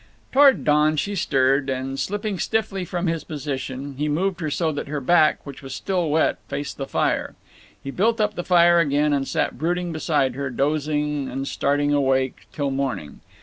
Toward dawn she stirred, and, slipping stiffly from his position, he moved her so that her back, which was still wet, faced the fire. He built up the fire again, and sat brooding beside her, dozing and starting awake, till morning.